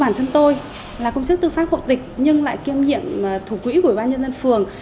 bản thân tôi là công chức tư pháp hộ tịch nhưng lại kiêm nhiệm thủ quỹ của ủy ban nhân dân phường